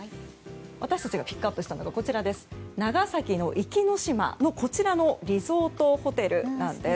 私たちがピックアップしたのは長崎の壱岐島のこちらのリゾートホテルなんです。